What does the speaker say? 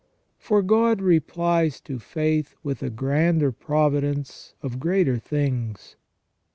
For God replies to faith with a grander providence of greater things.